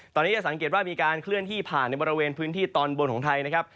ตอนนี้จะสังเกตว่ามีการเคลื่อนที่ผ่านในบริเวณพื้นที่ตอนบนของไทยนะครับ